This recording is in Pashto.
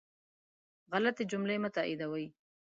غلطي جملې مه تائیدوئ